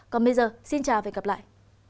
còn bây giờ xin chào và hẹn gặp lại